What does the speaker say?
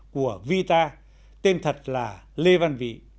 của vita tên thật là lê văn vĩ